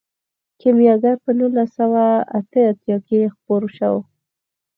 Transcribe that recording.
کیمیاګر په نولس سوه اته اتیا کې خپور شو.